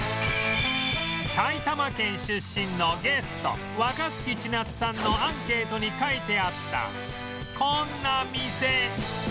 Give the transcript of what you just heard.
埼玉県出身のゲスト若槻千夏さんのアンケートに書いてあったこんな店